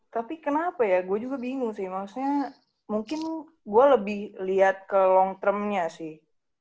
tapi kenapa ya gua juga bingung sih maksudnya mungkin gua lebih lihat ke long term nya sih